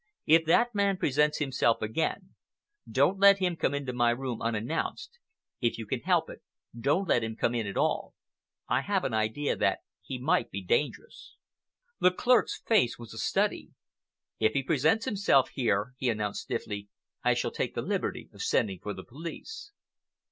If that man presents himself again, don't let him come into my room unannounced. If you can help it, don't let him come in at all. I have an idea that he might be dangerous." The clerk's face was a study. "If he presents himself here, sir," he announced stiffly, "I shall take the liberty of sending for the police."